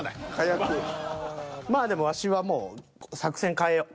まあでもワシはもう作戦変えよう。